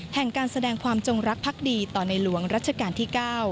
แห่งการแสดงความจงรักภักดีต่อในหลวงรัชกาลที่๙